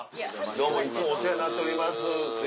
どうもいつもお世話になっております。